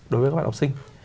đối với các bạn học sinh